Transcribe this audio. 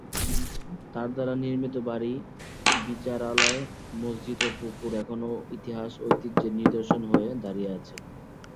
তার দ্বারা নির্মিত বাড়ি, বিচারালয়, মসজিদ ও পুকুর এখনও ইতিহাস ঐতিহ্যের নিদর্শন হয়ে দাঁড়িয়ে আছে।